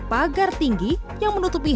pagar tinggi yang menutupi